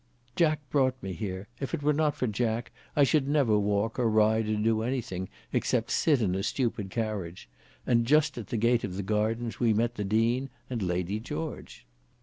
"Jack brought me here. If it were not for Jack I should never walk or ride or do anything, except sit in a stupid carriage. And just at the gate of the gardens we met the Dean and Lady George."